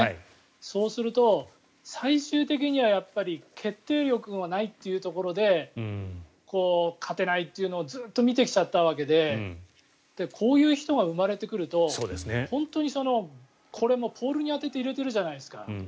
そうすると最終的にはやっぱり決定力がないというところで勝てないというのをずっと見てきちゃったわけでこういう人が生まれてくると本当にこれもポールに当てて入れてるじゃないですか。